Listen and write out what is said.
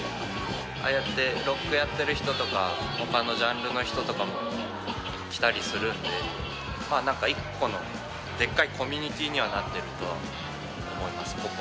ああやってロックやってる人とか、ほかのジャンルの人とかも来たりするんで、なんか一個のでっかいコミュニティーにはなってると思います。